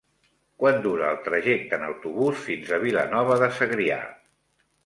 Quant dura el trajecte en autobús fins a Vilanova de Segrià?